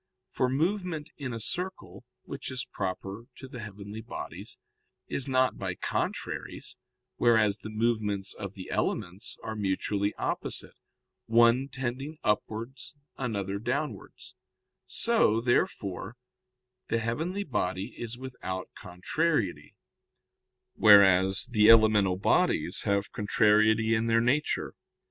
For movement in a circle, which is proper to the heavenly bodies, is not by contraries, whereas the movements of the elements are mutually opposite, one tending upwards, another downwards: so, therefore, the heavenly body is without contrariety, whereas the elemental bodies have contrariety in their nature.